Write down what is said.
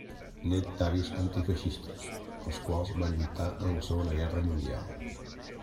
Net d'avis antifeixistes, els quals van lluitar en la Segona Guerra Mundial.